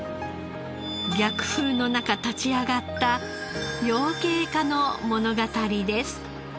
逆風の中立ち上がった養鶏家の物語です。